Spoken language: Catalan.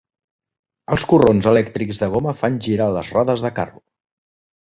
Els corrons elèctrics de goma fan girar les rodes de carro.